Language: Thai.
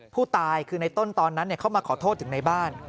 ผู้ตายคือในต้นตอนนั้นเข้ามาขอโทษถึงในบ้าน